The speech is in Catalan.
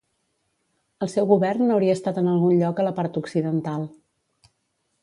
El seu govern hauria estat en algun lloc a la part occidental.